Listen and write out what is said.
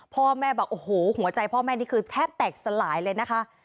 พ่อแม่บอกโอ้โหหัวใจพ่อแม่นี่คือแทบแตกสลายเลยนะคะ